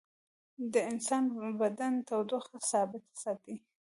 د انسان بدن تودوخه ثابته ساتي